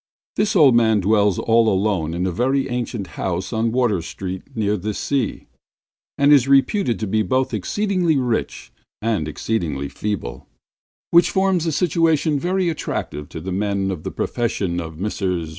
This old man dwells all alone in a very ancient house in Water Street near the sea, and is reputed to be both exceedingly rich and exceedingly feeble; which forms a situation very attractive to men of the profession of Messrs.